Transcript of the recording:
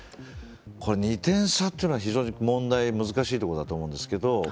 ２点差っていうのは非常に難しいところだと思うんですけど。